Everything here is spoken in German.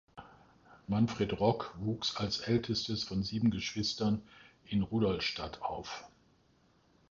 Manfred Rock wuchs als ältestes von sieben Geschwistern in Rudolstadt auf.